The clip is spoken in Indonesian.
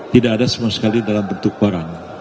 tidak ada sama sekali dalam bentuk barang